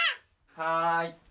はい。